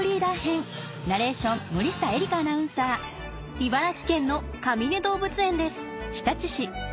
茨城県のかみね動物園です。